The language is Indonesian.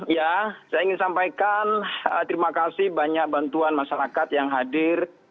ya saya ingin sampaikan terima kasih banyak bantuan masyarakat yang hadir